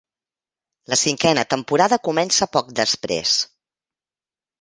La cinquena temporada comença poc després.